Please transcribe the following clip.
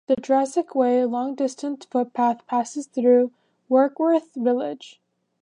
The Jurassic Way long distance footpath passes through Warkworth village.